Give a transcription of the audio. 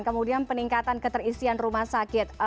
kemudian peningkatan keterisian rumah sakit